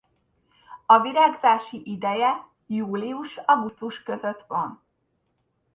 A virágzási ideje július-augusztus között van.